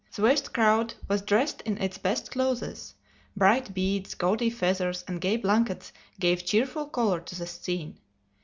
The vast crowd was dressed in its best clothes. Bright beads, gawdy feathers and gay blankets gave cheerful color to the scene.